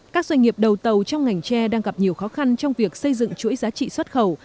các doanh nghiệp đầu tàu trong ngành tre đang gặp nhiều khó khăn trong việc xây dựng chuỗi giá trị xuất khẩu